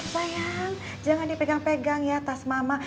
sayang jangan dipegang pegang ya tas mama